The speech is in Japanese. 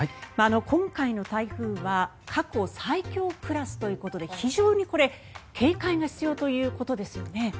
今回の台風は過去最強クラスということで非常にこれ警戒が必要ということですよね。